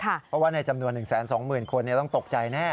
เพราะว่าในจำนวน๑๒๐๐๐คนต้องตกใจแน่